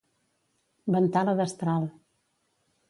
Ventar la destral.